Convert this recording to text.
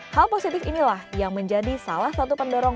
hal positif inilah yang menjadi salah satu pendorong